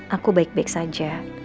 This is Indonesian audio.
aku baik baik saja